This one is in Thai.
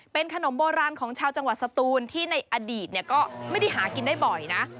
เป็นขนมโบราณของชาวจังหวัดสตูนที่ในอดีตก็ไม่ได้หากินได้บ่อยนะ